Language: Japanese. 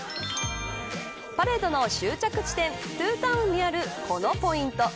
パレードの終着地点トゥーンタウンにあるこのポイント。